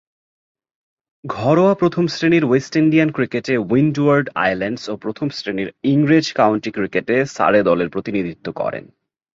ঘরোয়া প্রথম-শ্রেণীর West Indian ক্রিকেটে উইন্ডওয়ার্ড আইল্যান্ডস ও প্রথম-শ্রেণীর ইংরেজ কাউন্টি ক্রিকেটে সারে দলের প্রতিনিধিত্ব করেন।